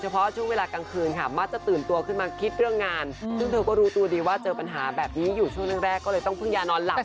เป็นหยุดนะ